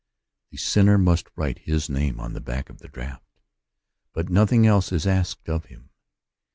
The sinner must write his name on the back of the draft ; but nothing else is asked of him.